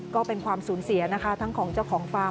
ก็เป็นความสูญเสียนะคะทั้งของเจ้าของฟาร์ม